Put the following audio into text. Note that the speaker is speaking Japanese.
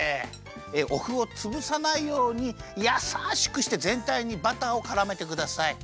おふをつぶさないようにやさしくしてぜんたいにバターをからめてください。